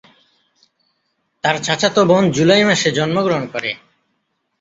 তার চাচাতো বোন জুলাই মাসে জন্মগ্রহণ করে।